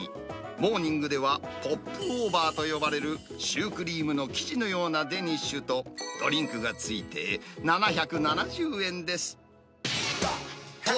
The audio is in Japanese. モーニングでは、ポップオーバーと呼ばれるシュークリームの生地のようなデニッシュとドリンクが付いて７７０円です。